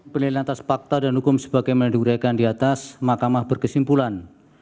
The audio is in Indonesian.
penelitian atas fakta dan hukum sebagai menedurikan di atas makamah berkesimpulan